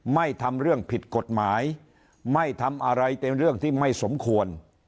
ไม่ทำเรื่องผิดกฎหมายไม่ทำอะไรเป็นเรื่องที่ไม่สมควร